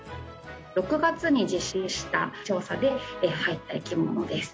６月に実施した調査で入った生き物です。